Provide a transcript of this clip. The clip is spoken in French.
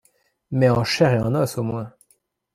Mais en chair et en os au moins !